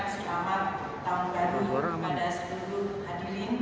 selamat tahun baru kepada seluruh hadirin